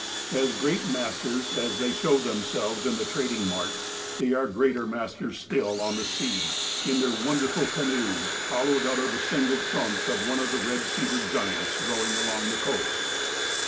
As great masters as they show themselves in the trad ing mart, they are greater masters still on the sea, in their wonderful canoes, hollowed out of a single trunk of one of the red cedar giants growing along the coast.